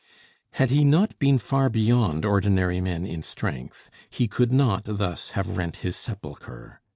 Had he not been far beyond ordinary men in strength, he could not thus have rent his sepulchre.